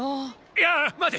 いや待て！